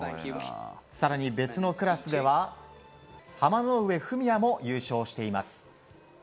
更に別のクラスでは濱ノ上文哉も優勝しています。